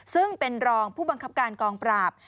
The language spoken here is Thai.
ซึ่งเป็นรองผู้บังคับการกองปราบ